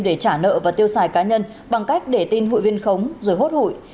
để trả nợ và tiêu xài cá nhân bằng cách để tin hụi viên khống rồi hốt hụi